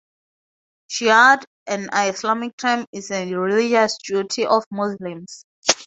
"Jihad", an Islamic term, is a religious duty of Muslims.